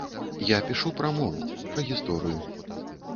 Я пішу пра мову, пра гісторыю.